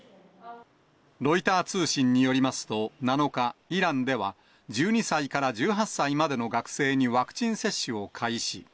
ロイター通信によりますと、７日、イランでは、１２歳から１８歳までの学生にワクチン接種を開始。